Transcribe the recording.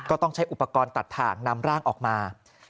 ต้องใช้อุปกรณ์ตัดถ่างนำร่างออกมา